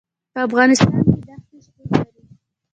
په افغانستان کې ښتې شتون لري.